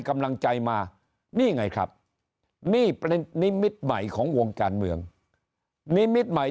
กำลังใจมานี่ไงครับนี่เป็นนิมิตใหม่ของวงการเมืองนิมิตใหม่